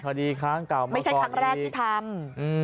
คดีครั้งเก่าไม่ใช่ครั้งแรกที่ทำ